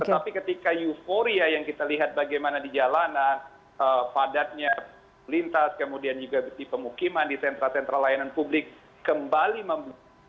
tetapi ketika euforia yang kita lihat bagaimana di jalanan padatnya lintas kemudian juga di pemukiman di sentra sentra layanan publik kembali membuka